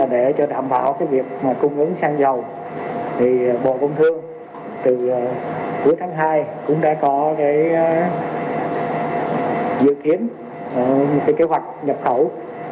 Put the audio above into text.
để đảm bảo việc cung ứng sang giàu bộ công thương từ cuối tháng hai cũng đã dự kiến kế hoạch nhập khẩu